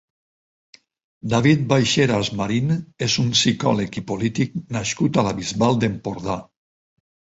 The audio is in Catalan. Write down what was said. David Baixeras Marín és un psicòleg i polític nascut a la Bisbal d'Empordà.